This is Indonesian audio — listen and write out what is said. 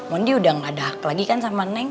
mony udah gak ada hak lagi kan sama neng